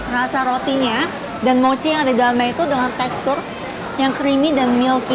rasa rotinya dan mochi yang ada di dalamnya itu dengan tekstur yang creamy dan milky